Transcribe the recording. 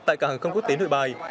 tại cảng hàng không quốc tế nội bài